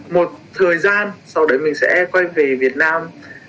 một thời gian sau đấy mình sẽ quay về việt nam